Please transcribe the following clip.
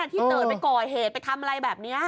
ที่เดิดไปก่อเหตุไปทำอะไรแบบนี้